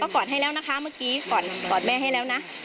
ค่ะ